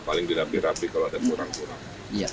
paling dirapih rapih kalau ada kurang kurang